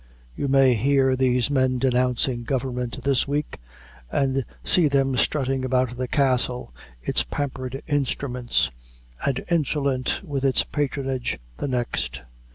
You may hear these men denouncing government this week, and see them strutting about the Castle, its pampered instruments, and insolent with its patronage, the next.